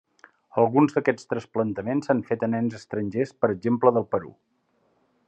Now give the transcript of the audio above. Alguns d'aquests trasplantaments s'han fet a nens estrangers, per exemple del Perú.